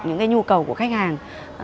những cái nhu cầu của khách hàng